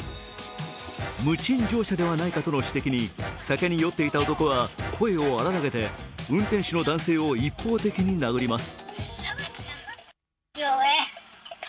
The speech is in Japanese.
無賃乗車ではないかとの指摘に酒に酔っていた男は声を荒らげて、運転手の男性を一方的に殴ります。